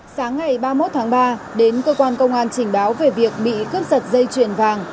sáng ngày ba mươi một tháng ba đến cơ quan công an trình báo về việc bị cướp giật dây chuyền vàng